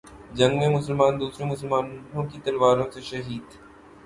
جنگ میں مسلمان دوسرے مسلمانوں کی تلواروں سے شہید